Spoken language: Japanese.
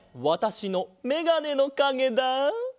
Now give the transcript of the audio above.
わたしのメガネのかげだ。